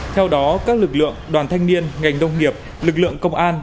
theo đó các lực lượng đoàn thanh niên ngành đông nghiệp lực lượng công an